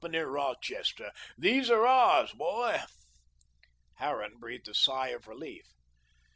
Rochester.' These are ours, boy." Harran breathed a sigh of relief.